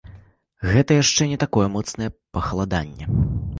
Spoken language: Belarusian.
Гэта яшчэ не такое моцнае пахаладанне.